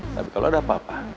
tapi kalau ada apa apa